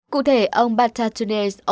cụ thể ông batatune